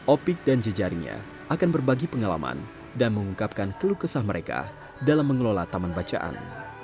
opik dan jejaringnya akan berbagi pengalaman dan mengungkapkan kelukesan mereka dalam mengelola taman bacaan